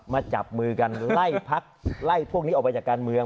จับมือกันไล่พักไล่พวกนี้ออกไปจากการเมือง